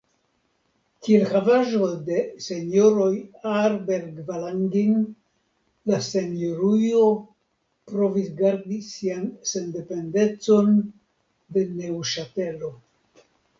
Kiel havaĵo de la Senjoroj Aarberg-Valangin la Senjorujo provis gardi sian sendependecon de Neŭŝatelo.